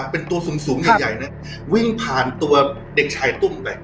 เป็นตัวสูงสูงใหญ่ใหญ่น่ะครับวิ่งผ่านตัวเด็กชายตุ้มไป